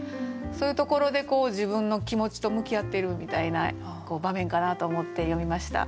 そういうところで自分の気持ちと向き合ってるみたいな場面かなと思って読みました。